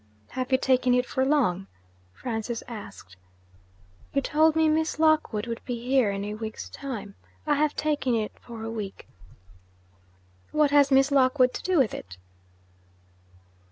'Have you taken it for long?' Francis asked. 'You told me Miss Lockwood would be here in a week's time. I have taken it for a week.' 'What has Miss Lockwood to do with it?'